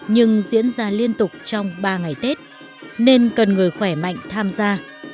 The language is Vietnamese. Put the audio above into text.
nhưng diễn ra liên tục trong ba ngày tết nên cần người khỏe mạnh tham gia